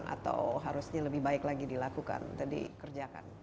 atau harusnya lebih baik lagi dilakukan atau dikerjakan